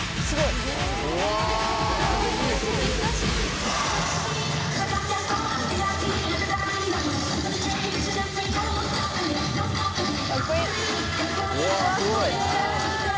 すごい！